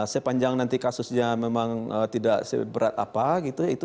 sepanjang nanti kasusnya memang tidak seberat apa gitu